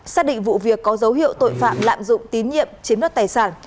xác định vụ việc có dấu hiệu tội phạm lạm dụng tín nhiệm chiếm đất tài sản